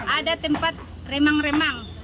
ada tempat remang remang